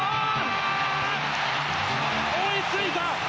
追いついた！